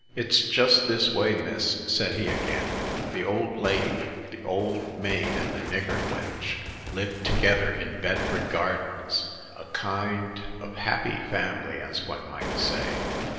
" It's just this way, miss," said he again ;" the old lady, the old maid and the nigger wench Jived together in Bedford Gardens, a kind of The Second Customer. 67 happy family, as one might say.